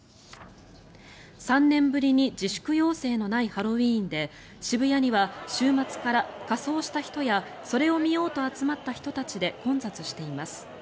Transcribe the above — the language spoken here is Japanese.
３年ぶりに自粛要請のないハロウィーンで渋谷には週末から仮装した人やそれを見ようと集まった人たちで混雑しています。